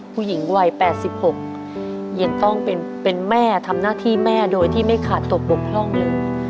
ผู้หญิงวัย๘๖ยังต้องเป็นแม่ทำหน้าที่แม่โดยที่ไม่ขาดตกบกพร่องเลย